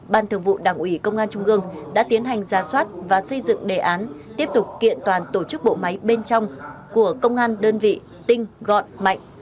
ban thường vụ đảng ủy công an trung ương đã tiến hành ra soát và xây dựng đề án tiếp tục kiện toàn tổ chức bộ máy bên trong của công an đơn vị tinh gọn mạnh